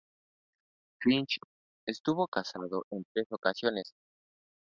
Finch estuvo casado en tres ocasiones.